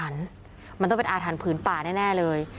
มันต้องเป็นอาถรรพ์ผืนป่าแน่เลย